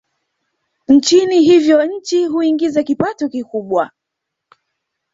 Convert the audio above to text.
nchini hivyo nchi huiingiza kipato kikubwa